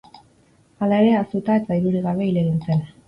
Hala ere, ahaztuta eta dirurik gabe hil egin zen.